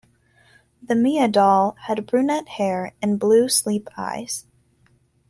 The Mia Doll had brunette hair and blue sleep eyes.